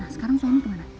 sekarang suami kemana